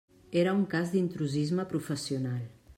Era un cas d'intrusisme professional.